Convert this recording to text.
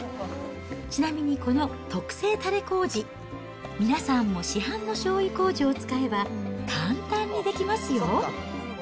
ちなみに、この特製たれこうじ、皆さんも市販のしょうゆこうじを使えば、簡単にできますよ。